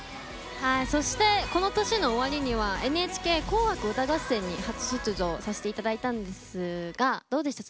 そしてこの年の終わりには「ＮＨＫ紅白歌合戦」に初出場させていただいたんですがどうでした？